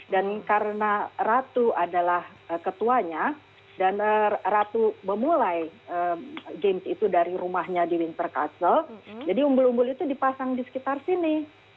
dan karena ratu adalah ketuanya dan ratu memulai games itu dari rumahnya di windsor castle jadi umbul umbul itu dipasang di sekitar sini